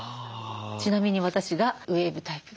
ちなみに私がウエーブタイプです。